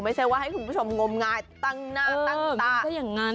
ไม่ใช่ว่าให้คุณผู้ชมงมงายตั้งหน้าตั้งตา